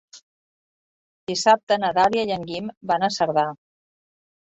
Dissabte na Dàlia i en Guim van a Cerdà.